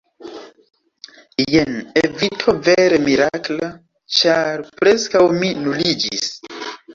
“Jen evito vere mirakla! Ĉar preskaŭ mi nuliĝis!”